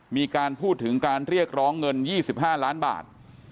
มีการพูดถึงการเรียกร้องเงิน๒๕ล้านบาท